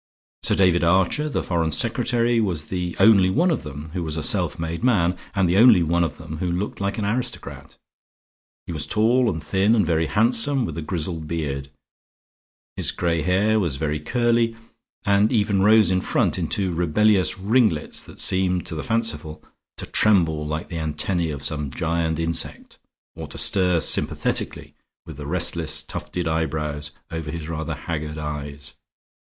Sir David Archer, the Foreign Secretary, was the only one of them who was a self made man, and the only one of them who looked like an aristocrat. He was tall and thin and very handsome, with a grizzled beard; his gray hair was very curly, and even rose in front in two rebellious ringlets that seemed to the fanciful to tremble like the antennae of some giant insect, or to stir sympathetically with the restless tufted eyebrows over his rather haggard eyes.